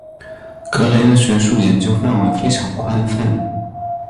格雷的学术研究范围非常广泛。